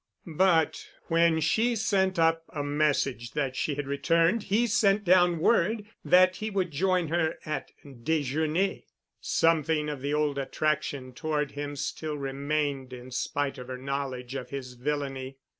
But when she sent up a message that she had returned he sent down word that he would join her at déjeuner. Something of the old attraction toward him still remained in spite of her knowledge of his villainy.